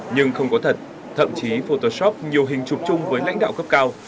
nhưng không có thật thậm chí photoshop nhiều hình chụp chung với lãnh đạo cấp cao